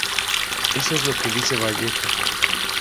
Eso es lo que dice Vallejo.